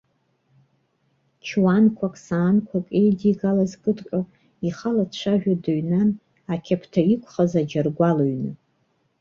Чуанқәак, саанқәак еидигалаз кыдҟьо, ихала дцәажәо дыҩнан ақьаԥҭа иқәхаз аџьаргәал ҩны.